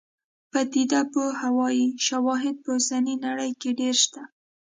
پدیده پوه وايي شواهد په اوسنۍ نړۍ کې ډېر شته.